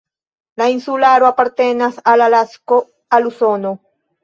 La insularo apartenas al Alasko, al Usono.